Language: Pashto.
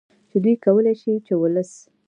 چې دوی کولې شي چې ولس